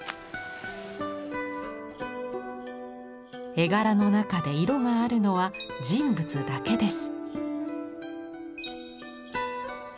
絵柄の中で色があるのは人物だけです。